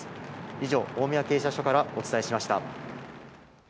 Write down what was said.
以上、大宮警察署からお伝えしま